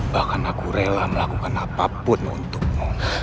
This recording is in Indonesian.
bahkan aku rela melakukan apapun untukmu